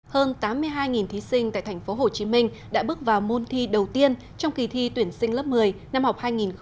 hơn tám mươi hai thí sinh tại tp hcm đã bước vào môn thi đầu tiên trong kỳ thi tuyển sinh lớp một mươi năm học hai nghìn hai mươi hai nghìn hai mươi một